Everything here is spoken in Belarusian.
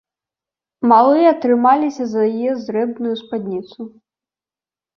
Малыя трымаліся за яе зрэбную спадніцу.